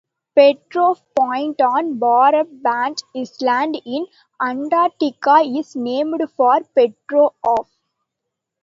Petroff Point on Brabant Island in Antarctica is named for Petroff.